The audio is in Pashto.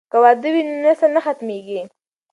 که واده وي نو نسل نه ختمیږي.